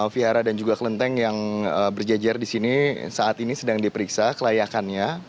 vihara dan juga kelenteng yang berjejer di sini saat ini sedang diperiksa kelayakannya